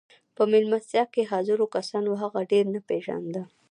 په مېلمستيا کې حاضرو کسانو هغه ډېر نه پېژانده.